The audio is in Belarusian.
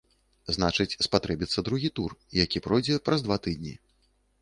Значыць, спатрэбіцца другі тур, які пройдзе праз два тыдні.